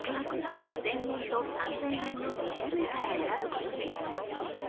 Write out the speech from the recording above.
５０００円と３０００円の２種類から選ぶことになります。